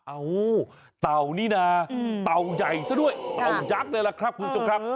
เอ้าเต่านี่นะเต่าใหญ่ซะด้วยเต่ายักษ์เลยล่ะครับคุณผู้ชมครับ